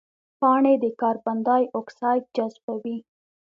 پاڼې د کاربن ډای اکساید جذبوي